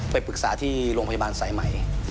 ไปปรึกษาที่โรงพยาบาลสายใหม่